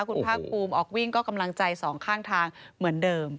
คุณภาคภูมิออกวิ่งก็กำลังใจสองข้างทางเหมือนเดิม